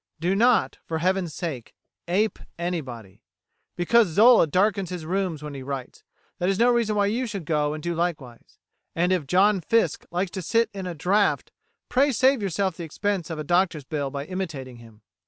Do not, for Heaven's sake, ape anybody. Because Zola darkens his rooms when he writes, that is no reason why you should go and do likewise; and if John Fiske likes to sit in a draught, pray save yourself the expense of a doctor's bill by imitating him.